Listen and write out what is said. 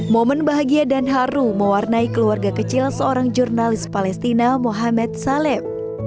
momen bahagia dan haru mewarnai keluarga kecil seorang jurnalis palestina mohamed salim